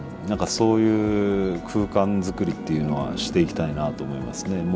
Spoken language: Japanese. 何かそういう空間づくりっていうのはしていきたいなと思いますね。